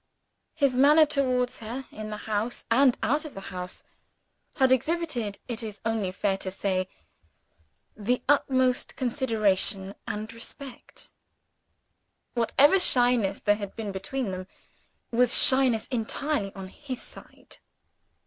His manner towards her, in the house and out of the house, had exhibited, it is only fair to say, the utmost consideration and respect. Whatever shyness there had been between them, was shyness entirely on his side.